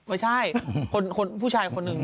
ไม่ใช่ผู้ชายคนหนึ่ง